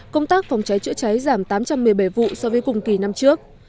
công tác phòng cháy chữa cháy giảm tám trăm một mươi bảy vụ so với cùng kỳ năm trước